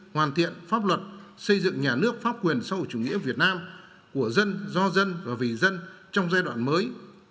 hoàn thiện pháp luật xây dựng nhà nước pháp quyền sau chủ nghĩa việt nam của dân do dân và vì dân trong giai đoạn mới